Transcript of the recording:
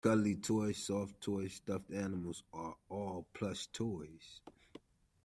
Cuddly toy, soft toy, stuffed animal are all plush toys